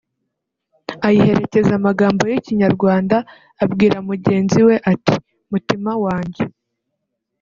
ayiherekeza amagambo y’Ikinyarwanda abwira mugenzi we ati “Mutima wanjye